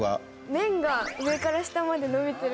麺が上から下まで伸びてる。